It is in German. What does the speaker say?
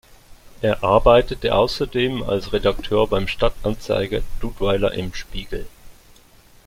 Er arbeitete außerdem als Redakteur beim Stadtanzeiger "Dudweiler im Spiegel".